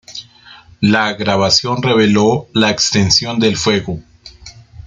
La grabación reveló la extensión del fuego.